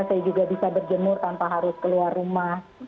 saya juga bisa berjemur tanpa harus keluar rumah